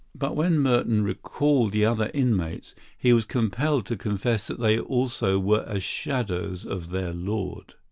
But when Merton recalled the other inmates, he was compelled to confess that they also were as shadows of their lord.